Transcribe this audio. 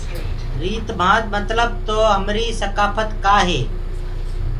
ريٚت ڀانت متلب تو همريٚ سڪآڦت ڪآ هي؟